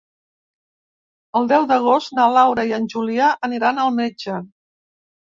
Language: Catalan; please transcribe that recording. El deu d'agost na Laura i en Julià aniran al metge.